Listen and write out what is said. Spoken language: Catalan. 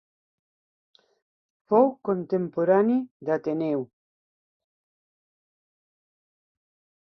Fou contemporani d'Ateneu.